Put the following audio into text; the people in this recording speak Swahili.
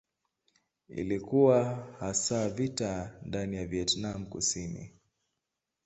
Ilikuwa hasa vita ndani ya Vietnam Kusini.